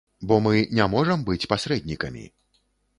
Бо мы не можам быць пасрэднікамі.